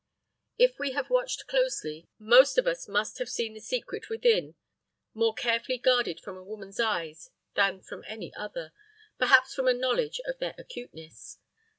If we have watched closely, most of us must have seen the secret within more carefully guarded from a woman's eyes than from any other perhaps from a knowledge of their acuteness.